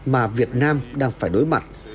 mà việt nam đang phải đối mặt